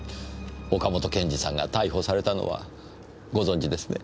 岡本賢治さんが逮捕されたのはご存じですね？